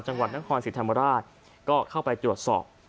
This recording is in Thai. จังหวัดต้านความสิทธิ์ทำลราชก็เข้าไปตรวจสอก